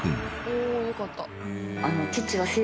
おおよかった。